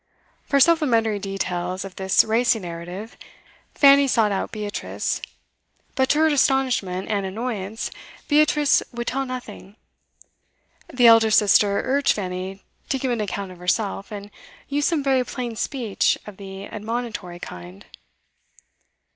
For supplementary details of this racy narrative, Fanny sought out Beatrice; but to her astonishment and annoyance Beatrice would tell nothing. The elder sister urged Fanny to give an account of herself, and used some very plain speech of the admonitory kind.